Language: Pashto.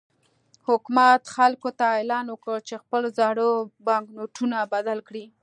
حکومت خلکو ته اعلان وکړ چې خپل زاړه بانکنوټونه بدل کړي.